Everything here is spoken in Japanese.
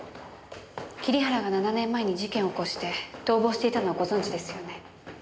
桐原が７年前に事件を起こして逃亡していたのはご存じですよね？